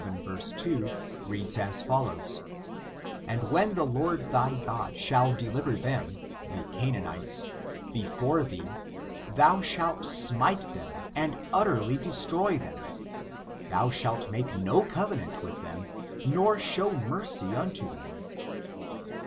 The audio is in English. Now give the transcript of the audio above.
vii, 2, reads as follows: "And when the Lord thy God shall deliver them [the Ca naanites] before thee, thou shalt si^ite them and ti/ terly destroy them: thou shalt make no covenant with them, nor show mercy unto them."